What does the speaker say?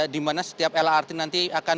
dimana setiap lrt nanti akan